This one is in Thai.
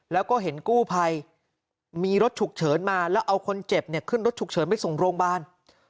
แล้วก็เห็นกู้ภัยมีรถฉุกเฉินมาแล้วเอาคนเจ็บเนี่ยขึ้นรถฉุกเฉินไปส่งโรงพยาบาล